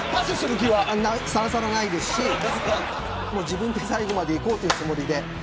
さらさらないですし自分で最後までいこうというつもりで。